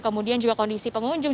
kemudian juga kondisi pengunjung